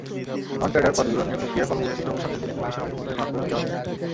Non-cadre পদগুলোর নিয়োগ-প্রক্রিয়া কর্মবৈশিষ্ট্য অনুসারে দুটি কমিশনের মধ্যে ভাগ করে দেওয়া যায়।